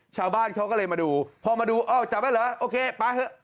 ชาวบ้านเขาก็เลยมาดูพอมาดูอ้าวจับได้เหรอโอเคไปเถอะ